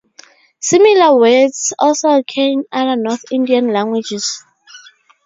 Similar words also occur in other North Indian languages.